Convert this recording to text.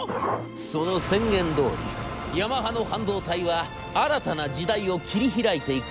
その宣言どおりヤマハの半導体は新たな時代を切り開いていくのでございます。